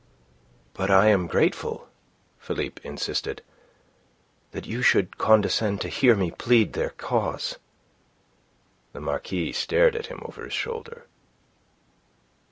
"But I am grateful," Philippe insisted, "that you should condescend to hear me plead their cause." The Marquis stared at him over his shoulder.